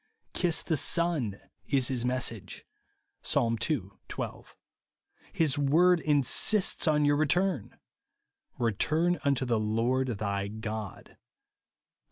" Kiss the Son " is his message, (Psa. ii. 12). His word in sists on your return, —" Keturn unto the Lord thy God," (Hos.